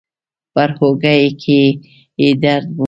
پر اوږه کې يې درد و.